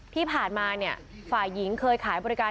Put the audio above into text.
ที่ผ่านมาเนี่ยฝ่ายหญิงเคยขายบริการ